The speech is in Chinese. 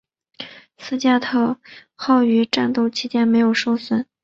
斯图加特号于战斗期间没有受损。